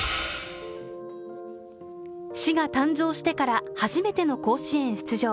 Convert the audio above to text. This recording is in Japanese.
市が誕生してから初めての甲子園出場。